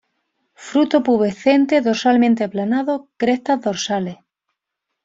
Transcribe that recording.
Fruto pubescente, dorsalmente aplanado; crestas dorsales.